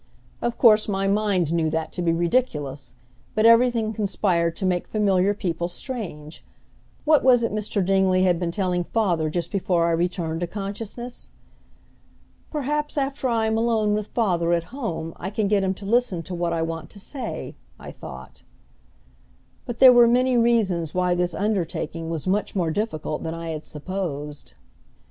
Of course my mind knew that to be ridiculous, but everything conspired to make familiar people strange. What was it Mr. Dingley had been telling father just before I returned to consciousness? "Perhaps after I am alone with father at home I can get him to listen to what I want to say," I thought. But there were many reasons why this undertaking was much more difficult than I had supposed.